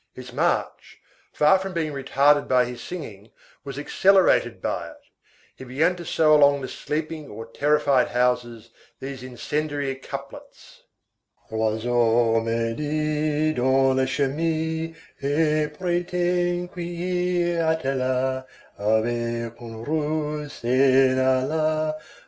His march, far from being retarded by his singing, was accelerated by it. He began to sow along the sleeping or terrified houses these incendiary couplets:— "L'oiseau médit dans les charmilles, Et prétend qu'hier Atala Avec un Russe s'en alla.